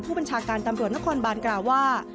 ผู้บัญชาการตำรวจนครบานกล่าวว่า